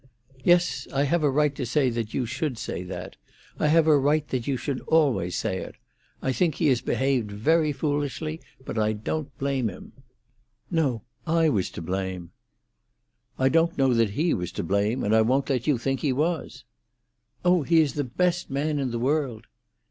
"Yes, I have a right that you should say that—I have a right that you should always say it. I think he has behaved very foolishly, but I don't blame him——" "No! I was to blame." "I don't know that he was to blame, and I won't let you think he was." "Oh, he is the best man in the world!"